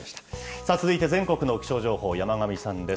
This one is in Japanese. さあ続いて全国の気象情報、山神さんです。